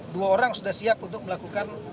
dua orang sudah siap untuk melakukan